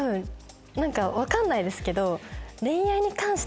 何か分かんないですけど。